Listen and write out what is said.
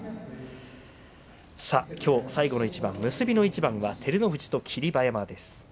きょう最後の一番結びの一番は照ノ富士と霧馬山です。